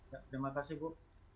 terima kasih bu